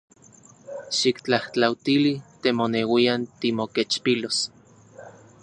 Xiktlajtlautili te moneuian timokechpilos.